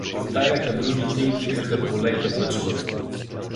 Повтаряха другите и тикаха полека бъчвата.